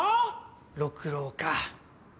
六郎か。